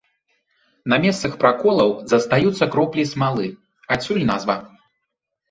На месцах праколаў застаюцца кроплі смалы, адсюль назва.